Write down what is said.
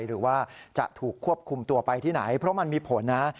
หรือว่าจะถูกควบคุมตัวไปที่ไหนเพราะมันมีผลนะ